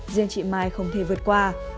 riêng chị mai không thể vượt qua